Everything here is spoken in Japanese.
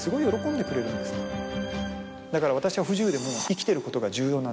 「だから私は不自由でも生きてることが重要なんです」。